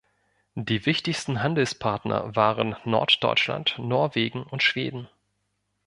Die wichtigsten Handelspartner waren Norddeutschland, Norwegen und Schweden.